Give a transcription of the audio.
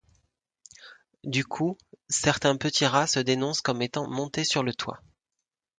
Du coup, certains petits rats se dénoncent comme étant montés sur le toit.